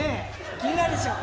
気になるでしょ？